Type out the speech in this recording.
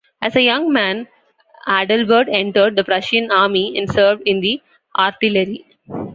As a young man, Adalbert entered the Prussian army and served in the artillery.